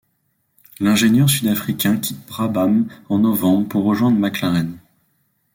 L'ingénieur sud-africain quitte Brabham en novembre pour rejoindre McLaren.